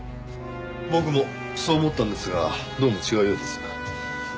僕もそう思ったんですがどうも違うようです。